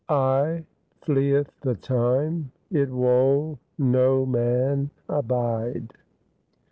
AY FLETH THE TIME, IT WOL NO MAN ABIDE.'